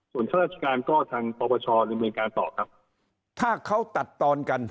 ส่วนข้าราชการก็ทางปปชดำเนินการต่อครับถ้าเขาตัดตอนกัน